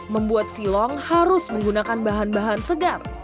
membuat silong harus menggunakan bahan bahan segar